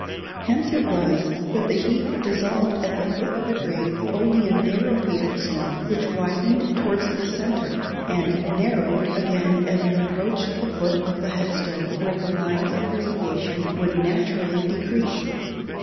Hence it was that the heat dissolved at the foot of the grave only a narrow piece of snow, which widened towards the centre, and narrowed again as it approached the foot of the head stone, where the lines of radiation would naturally decrease.